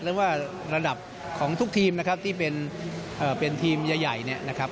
และว่าระดับของทุกทีมนะครับที่เป็นทีมใหญ่นะครับ